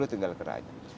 sepuluh tinggal keraknya